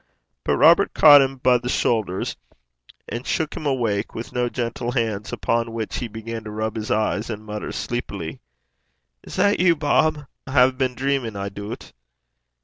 But Robert caught him by the shoulders, and shook him awake with no gentle hands, upon which he began to rub his eyes, and mutter sleepily: 'Is that you, Bob? I hae been dreamin', I doobt.'